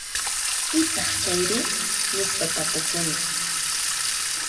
Pitaq chayri? Nispa tapukuni.